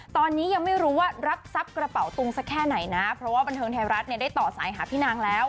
ตอนนี้ยังไม่รู้ว่ารับทรัพย์กระเป๋าตุงสักแค่ไหนนะเพราะว่าบันเทิงไทยรัฐเนี่ยได้ต่อสายหาพี่นางแล้ว